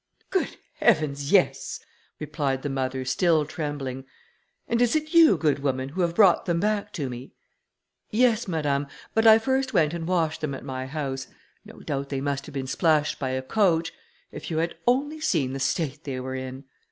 "Good heavens, yes!" replied the mother, still trembling, "and is it you, good woman, who have brought them back to me?" "Yes, madame, but I first went and washed them at my house. No doubt they must have been splashed by a coach; if you had only seen the state they were in!"